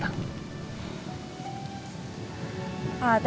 di dekat rumah itu